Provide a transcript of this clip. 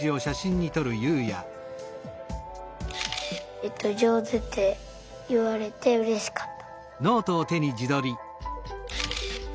えっとじょうずっていわれてうれしかった。